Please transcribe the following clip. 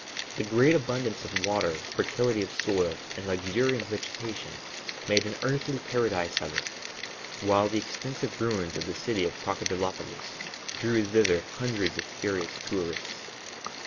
The great abundance of water, fertility of soil, and luxuriant vegetation made an earthly paradise of it, while the extensive ruins of the city of Crocodilopolis drew thither hundreds of curious tourists.